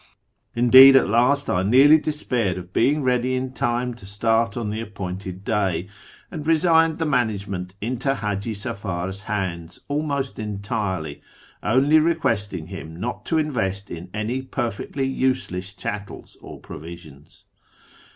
Indeed at last I nearly despaired of being ready in time to start on tlie appointed day, and resigned the management into Haji Bafar's hands almost entirely, only requesting him not to invest in any perfectly useless chattels or provisions.